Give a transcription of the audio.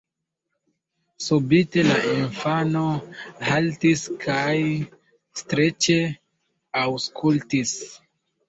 Subite la infano haltis kaj streĉe aŭskultis.